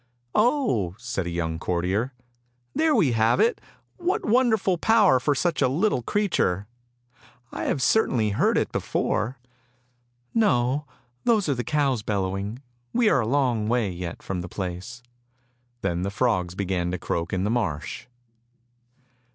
"O!" said a young courtier, "there we have it. What wonderful power for such a little creature; I have certainly heard it before." "No, those are the cows bellowing, we are a long way yet from the place." Then the frogs began to croak in the marsh.